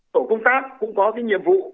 tổ công tác cũng có cái nhiệm vụ